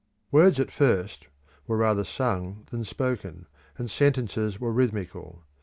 Words at first were rather sung than spoken, and sentences were rhythmical.